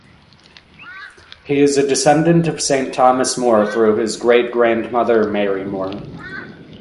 He is a descendant of Saint Thomas More through his great-grandmother, Mary More.